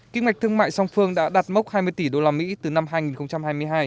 kinh mạch thương mại song phương đã đạt mốc hai mươi tỷ usd từ năm hai nghìn hai mươi hai